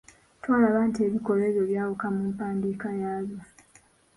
Twalaba nti ebikolwa ebyo byawuka mu mpandiika yaabyo.